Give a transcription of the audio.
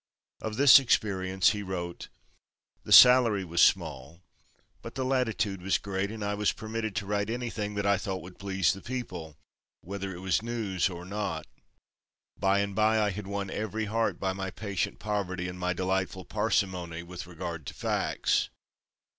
Of this experience he wrote: "The salary was small, but the latitude was great, and I was permitted to write anything that I thought would please the people, whether it was news or not. By and by I had won every heart by my patient poverty and my delightful parsimony with regard to facts.